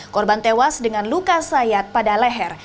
korban tewas dengan luka sayat pada leher